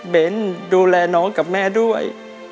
ดูแลน้องกับแม่ด้วย